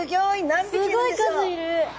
すごい数いる。